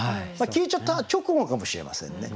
消えちゃった直後かもしれませんね。